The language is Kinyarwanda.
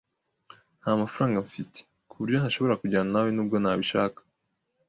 Ntamafaranga mfite, kuburyo ntashobora kujyana nawe nubwo nabishaka.